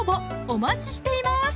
お待ちしています